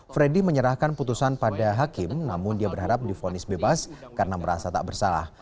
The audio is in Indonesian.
freddy menyerahkan putusan pada hakim namun dia berharap difonis bebas karena merasa tak bersalah